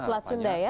selat sunda ya